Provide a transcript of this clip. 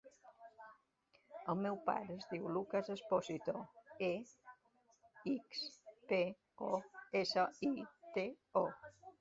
El meu pare es diu Lucas Exposito: e, ics, pe, o, essa, i, te, o.